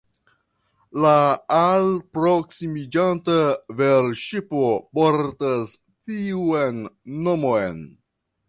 La alproksimiĝanta velŝipo portas tiun nomon.